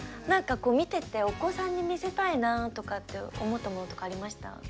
何かこう見ててお子さんに見せたいなあとかって思ったものとかありました？